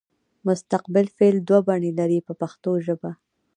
مستقبل فعل دوه بڼې لري په پښتو ژبه.